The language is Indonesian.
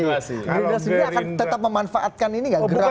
gerakan sendiri akan tetap memanfaatkan ini nggak